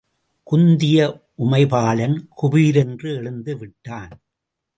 குந்திய உமைபாலன் குபிரென்று எழுந்து விட்டான்.